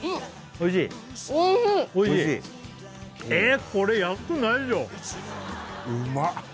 おいしいおいしいえっこれ安くないでしょうまっ！